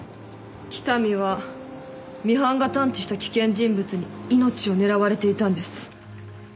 北見はミハンが探知した危険人物に命を狙われていたんです。